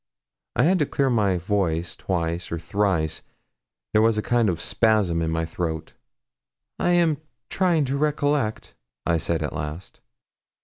I had to clear my voice twice or thrice. There was a kind of spasm in my throat. 'I am trying to recollect,' I said at last.